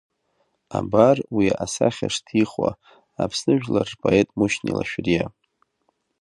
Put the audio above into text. Абар уи исахьа шҭихуа Аԥсны жәлар рпоет Мушьни Лашәриа…